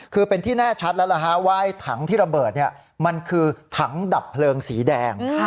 คือเป็นที่แน่ชัดแล้วว่าถังที่ระเบิดมันคือถังดับเพลิงสีแดง